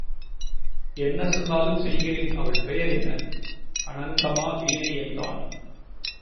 என்ன சொன்னாலும் செய்கிறேன் அவள் பெயர் என்ன? அநங்கமா வீணை என்றான்.